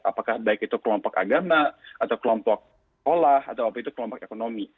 apakah baik itu kelompok agama kelompok sekolah atau kelompok ekonomi